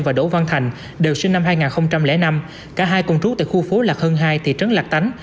và đỗ văn thành đều sinh năm hai nghìn năm cả hai công trúc tại khu phố lạc hưng hai thị trấn lạc tánh